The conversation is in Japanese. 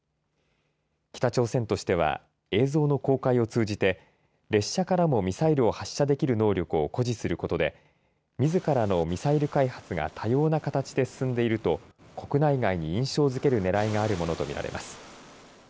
北朝鮮としては映像の公開を通じて列車からもミサイルを発射できる能力を誇示することでみずからのミサイル開発が多様な形で進んでいると国内外に印象づけるねらいがあるものとみられます。